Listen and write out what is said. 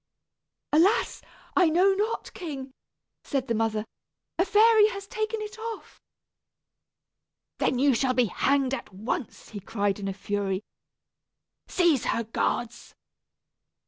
"Alas, I know not, king," said the mother. "A fairy has taken it off." "Then you shall be hanged at once," he cried in a fury. "Seize her, guards."